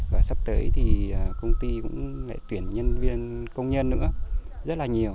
và sắp tới thì công ty cũng lại tuyển nhân viên công nhân nữa rất là nhiều